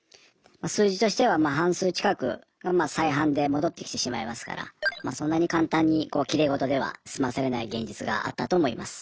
数字としては半数近くが再犯で戻ってきてしまいますからそんなに簡単にきれい事では済まされない現実があったと思います。